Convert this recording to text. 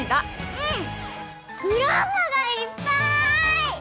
うん！